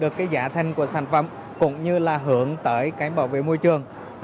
được cái giá thành của sản phẩm cũng như là hướng tới cái bảo vệ môi trường